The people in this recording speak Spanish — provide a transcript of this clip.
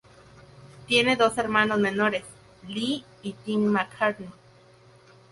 Tiene dos hermanos menores, Lea y Tim McCartney.